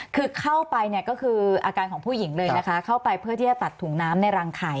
เข้าไปก็คืออาการของผู้หญิงเพื่อที่จะตัดถุงน้ำในรังไข่